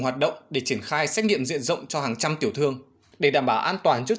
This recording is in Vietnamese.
hoạt động để triển khai xét nghiệm diện rộng cho hàng trăm tiểu thương để đảm bảo an toàn trước